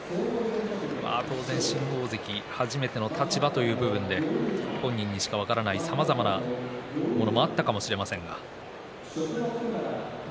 当然、新大関初めての立場という部分で本人にしか分からないさまざまなものもあったかもしれませんが。